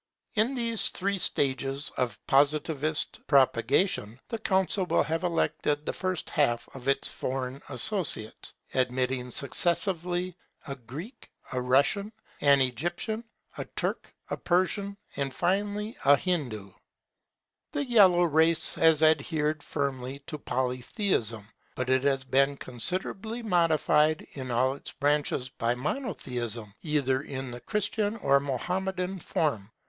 In these three stages of Positivist propagation, the Council will have elected the first half of its foreign associates; admitting successively a Greek, a Russian, an Egyptian, a Turk, a Persian and finally, a Hindoo. The Yellow race has adhered firmly to Polytheism. But it has been considerably modified in all its branches by Monotheism, either in the Christian or Mohammedan form.